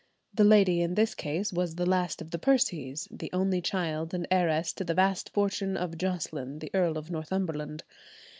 The lady in this case was the last of the Percies, the only child and heiress to the vast fortune of Jocelyn, the Earl of Northumberland.